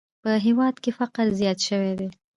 په هېواد کې فقر زیات شوی دی!